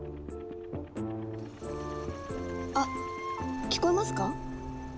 あっ聞こえますか？